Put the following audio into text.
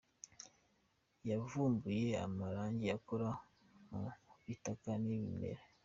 Yavumbuye amarangi akora mu bitaka n’ibimera